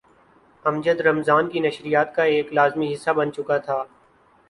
امجد رمضان کی نشریات کا ایک لازمی حصہ بن چکا تھا۔